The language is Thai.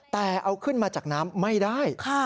แต่เอาขึ้นมาจากน้ำไม่ได้